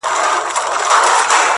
په تور لحد کي به نارې کړم-